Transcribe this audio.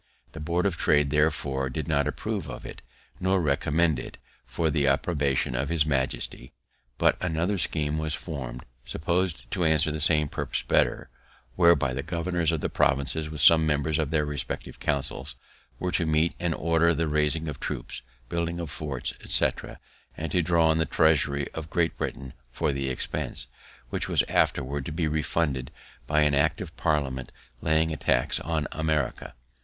The Board of Trade therefore did not approve of it, nor recommend it for the approbation of his majesty; but another scheme was form'd, supposed to answer the same purpose better, whereby the governors of the provinces, with some members of their respective councils, were to meet and order the raising of troops, building of forts, etc., and to draw on the treasury of Great Britain for the expense, which was afterwards to be refunded by an act of Parliament laying a tax on America.